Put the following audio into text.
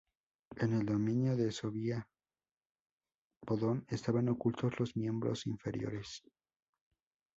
En el dominio de Sobia-Bodón están ocultos los miembros inferiores.